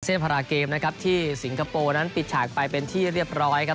พาราเกมนะครับที่สิงคโปร์นั้นปิดฉากไปเป็นที่เรียบร้อยครับ